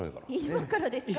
今からですか？